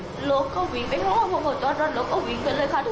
หลุดก็วิ่งไปทั้งห้องพ่อพ่อจอดรถหลุดก็วิ่งไปเลยค่ะ